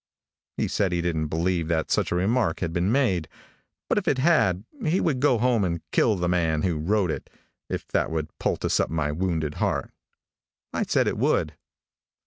He said he didn't believe that such a remark had been made, but if it had he would go home and kill the man who wrote it, if that would poultice up my wounded heart. I said it would.